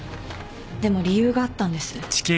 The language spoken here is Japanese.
でも理由があったんです。